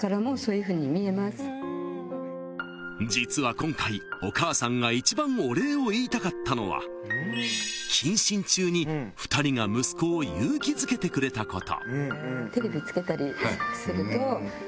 ［実は今回お母さんが一番お礼を言いたかったのは謹慎中に２人が息子を勇気づけてくれたこと］